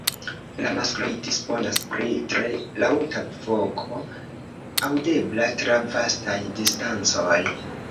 La maskloj disponas pri tre laŭta voko, aŭdebla tra vastaj distancoj.